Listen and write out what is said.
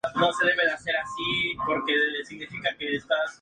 Su nombre se debe al color azul oscuro de sus flancos.